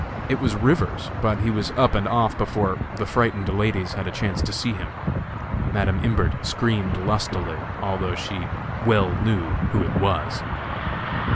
It was Rivers, but he was up and off before the frightened ladies had a chance to see him. Madam Imbert screamed lustily, although she well knew who it was.